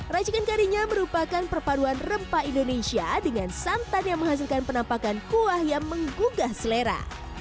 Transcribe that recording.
racikan karinya merupakan perpaduan rempah indonesia dengan santan yang menghasilkan penampakan kuah yang menggugah selera